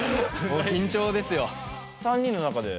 もう緊張ですよ。